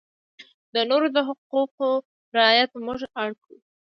د نورو د حقوقو رعایت موږ اړ کوي.